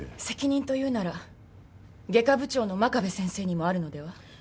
責任と言うなら外科部長の真壁先生にもあるのでは？